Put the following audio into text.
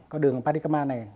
con đường padikama này